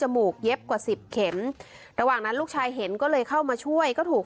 มูกเย็บกว่าสิบเข็มระหว่างนั้นลูกชายเห็นก็เลยเข้ามาช่วยก็ถูก